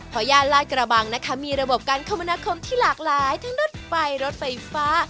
เพราะย่านลาดกระบังนะคะมีระบบการคมนาคมที่หลากหลายทั้งรถไฟรถไฟฟ้า